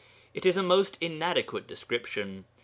It is a most inadequate description.